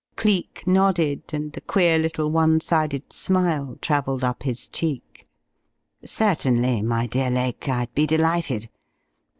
Cleek nodded, and the queer little one sided smile travelled up his cheek. "Certainly, my dear Lake. I'd be delighted.